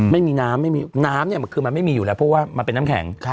ไม่มีน้ำไม่มีน้ำเนี่ยคือมันไม่มีอยู่แล้วเพราะว่ามันเป็นน้ำแข็ง